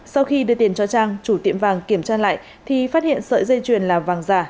sau khi đưa tiền cho trang chủ tiệm vàng kiểm tra lại thì phát hiện sợi dây chuyền là vàng giả